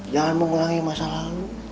jangan mengulangi masa lalu